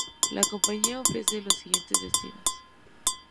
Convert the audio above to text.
La compañía ofrece los siguientes destinos.